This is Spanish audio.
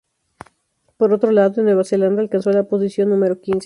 Por otro lado, en Nueva Zelanda alcanzó la posición número quince.